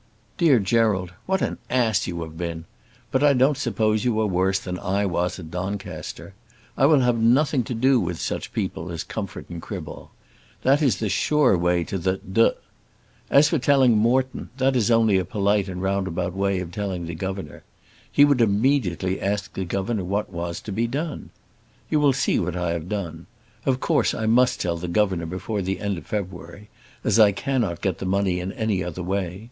DEAR GERALD, What an ass you have been! But I don't suppose you are worse than I was at Doncaster. I will have nothing to do with such people as Comfort and Criball. That is the sure way to the D ! As for telling Moreton, that is only a polite and roundabout way of telling the governor. He would immediately ask the governor what was to be done. You will see what I have done. Of course I must tell the governor before the end of February, as I cannot get the money in any other way.